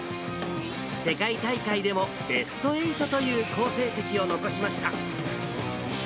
世界大会でもベスト８という好成績を残しました。